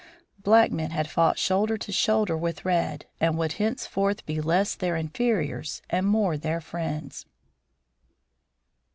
Black men had fought shoulder to shoulder with red, and would henceforth be less their inferiors and more their friends.